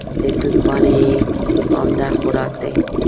د توت پاڼې یې عمده خوراک دی.